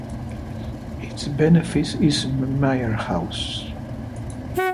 Its benefice is Mirehouse.